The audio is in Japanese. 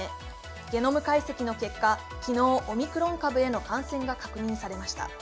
ゲノム解析の結果、昨日、オミクロン株への感染が確認されました。